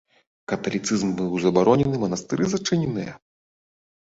Каталіцызм быў забаронены, манастыры зачыненыя.